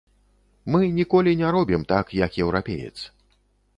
Мы ніколі не робім так, як еўрапеец.